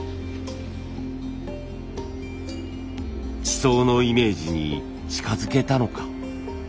地層のイメージに近づけたのか？